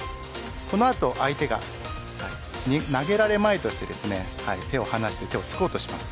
この後、相手が投げられまいとして手を離して手をつこうとします。